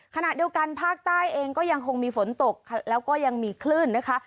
ขณะเดียวกันภาคใต้เองก็ยังคงมีฝนตกแล้วก็ยังมีคลื่นนะคะ